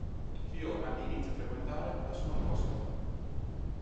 Fiona inizia a frequentare la sua nuova scuola.